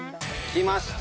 きました。